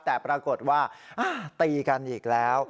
แต่ปรากฏว่าตีกันอีกแล้ว